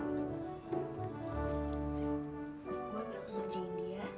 gue mau ambil lo ngerjain dia